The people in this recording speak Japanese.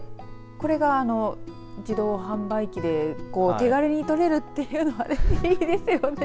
これが自動販売機で手軽に取れるというのはいいですよね。